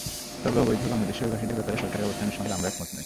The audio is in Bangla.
তবে অবৈধ বাংলাদেশি অভিবাসীদের ব্যাপারে সরকারের অবস্থানের সঙ্গে আমরা একমত নই।